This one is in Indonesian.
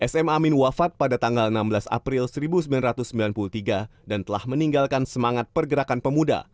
sm amin wafat pada tanggal enam belas april seribu sembilan ratus sembilan puluh tiga dan telah meninggalkan semangat pergerakan pemuda